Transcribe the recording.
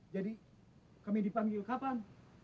jadi kami dipanggil kapan